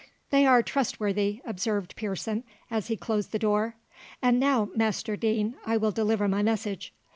"They are trustworthy," observed Pearson, as he closed the door; "and now, Master Deane, I will deliver my message.